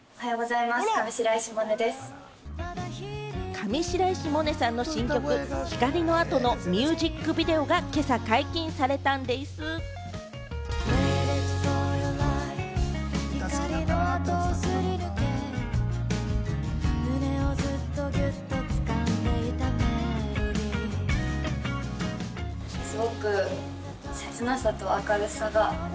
上白石萌音さんの新曲『ひかりのあと』のミュージックビデオが今朝、解禁されたんでぃす。